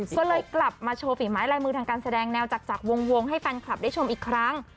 ก็เลยกลับมาโชว์ฝีไม้ลายมือทางการแสดงแนวจักรวงให้แฟนคลับได้ชมอีกครั้ง